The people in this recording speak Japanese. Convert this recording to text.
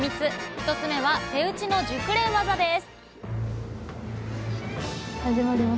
１つ目は手打ちの熟練技です